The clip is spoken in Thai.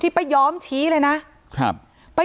ที่มีข่าวเรื่องน้องหายตัว